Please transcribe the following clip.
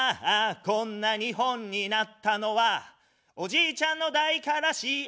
こんな日本になったのは、おじいちゃんの代からＣＩＡ。